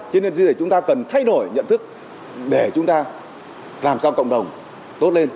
cho nên chúng ta cần thay đổi nhận thức để chúng ta làm sao cộng đồng tốt lên